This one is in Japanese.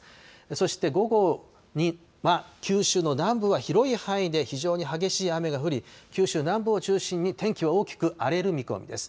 そして午後には、九州の南部は広い範囲で非常に激しい雨が降り、九州南部を中心に、天気は大きく荒れる見込みです。